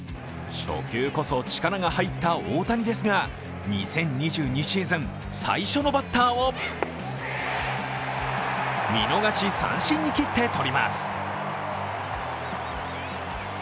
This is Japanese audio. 初球こそ力が入った大谷ですが２０２２シーズン最初のバッターを見逃し三振に切ってとります。